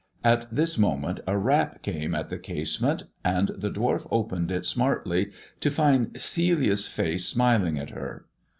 At this moment a rap came at the casement, and the dwarf opened it smartly, to find Celia's face smiling at her.